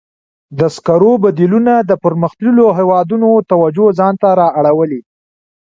د سکرو بدیلونه د پرمختللو هېوادونو توجه ځان ته را اړولې.